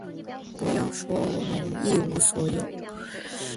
不要说我们一无所有，